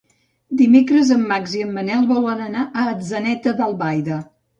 Dimecres en Max i en Manel volen anar a Atzeneta d'Albaida.